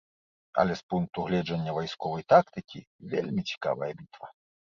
Але з пункту гледжання вайсковай тактыкі вельмі цікавая бітва.